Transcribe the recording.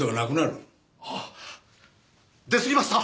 あっ出すぎました。